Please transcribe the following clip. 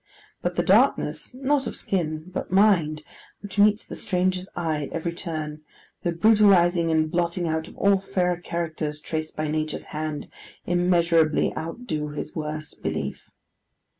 But the darkness—not of skin, but mind—which meets the stranger's eye at every turn; the brutalizing and blotting out of all fairer characters traced by Nature's hand; immeasurably outdo his worst belief.